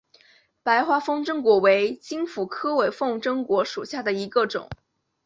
白花风筝果为金虎尾科风筝果属下的一个种。